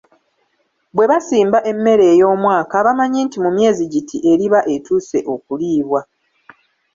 Bwe basimba emmere ey'omwaka, bamanyi nti mu myezi giti eriba etuuse okulibwa.